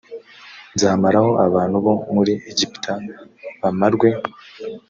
nzamaraho abantu bo muri egiputa bamarwe